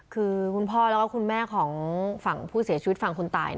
คือคุณพ่อแล้วก็คุณแม่ของฝั่งผู้เสียชีวิตฝั่งคนตาย